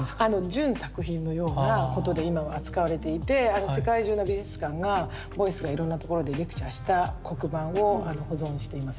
準作品のようなことで今は扱われていて世界中の美術館がボイスがいろんなところでレクチャーした黒板を保存しています。